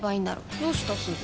どうしたすず？